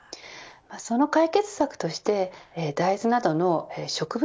その解決策として大豆などの植物